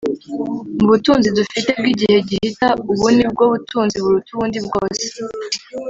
mu butunzi dufite bw'igihe gihita, ubu ni bwo butunzi buruta ubundi bwose